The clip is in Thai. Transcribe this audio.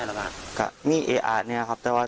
ส่วนของชีวาหาย